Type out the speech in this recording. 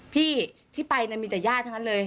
พี่ที่ไปมีแต่ญาติทั้งนั้นเลย